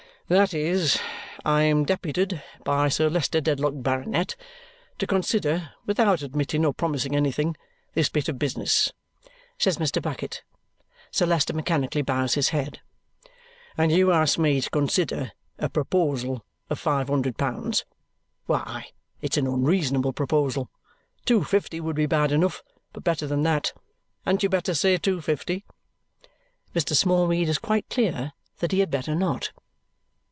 "That is, I am deputed by Sir Leicester Dedlock, Baronet, to consider (without admitting or promising anything) this bit of business," says Mr. Bucket Sir Leicester mechanically bows his head "and you ask me to consider a proposal of five hundred pounds. Why, it's an unreasonable proposal! Two fifty would be bad enough, but better than that. Hadn't you better say two fifty?" Mr. Smallweed is quite clear that he had better not.